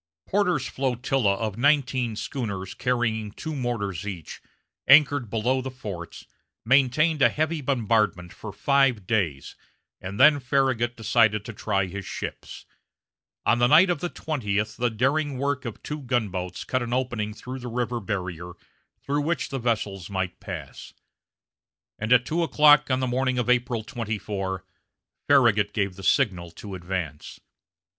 Porter's flotilla of nineteen schooners carrying two mortars each, anchored below the forts, maintained a heavy bombardment for five days, and then Farragut decided to try his ships. On the night of the twentieth the daring work of two gunboats cut an opening through the river barrier through which the vessels might pass; and at two o'clock on the morning of April 24, Farragut gave the signal to advance.